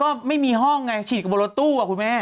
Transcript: ก็ไม่มีห้องไงฉีดบนรถตู้อ่ะคุณแม่